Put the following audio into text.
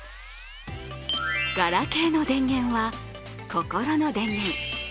ガラケーの電源は心の電源。